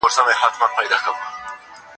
د هغوی پوره اکرام ئې وکړ.